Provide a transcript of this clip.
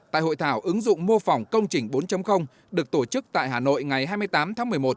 tại hội thảo ứng dụng mô phỏng công trình bốn được tổ chức tại hà nội ngày hai mươi tám tháng một mươi một